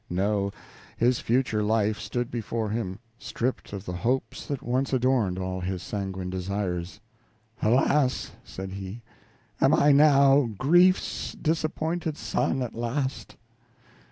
No; his future life stood before him, stripped of the hopes that once adorned all his sanguine desires. "Alas!" said he, "am I now Grief's disappointed son at last."